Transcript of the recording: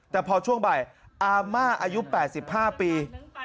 แต่พอช่วงบ่ายอาม่าอายุ๘๕ปี